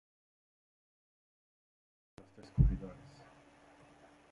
La Novela de Los Descubridores".